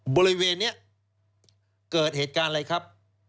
บริเวณนี้เกิดเหตุการณ์อะไรครับ